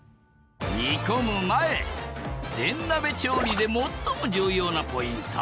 煮込む前電鍋調理で最も重要なポイント！